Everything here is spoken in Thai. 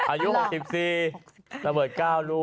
อายุ๖๔ระเบิด๙ลูก